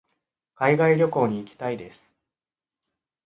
海外旅行に行きたいです。